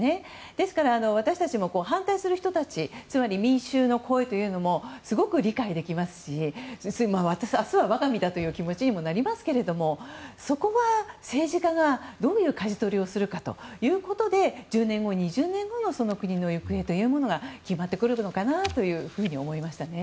ですから、私たちも反対する人たちつまり民衆の声というのもすごく理解できますし明日は我が身だという気持ちにもなりますがそこは政治家が、どういうかじ取りをするかというので１０年後、２０年後のその国の行方が決まってくるのかなと思いましたね。